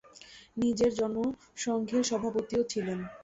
তিনি জনসংঘের সভাপতিও ছিলেন।